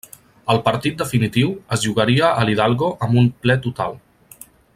El partit definitiu es jugaria a l'Hidalgo amb un ple total.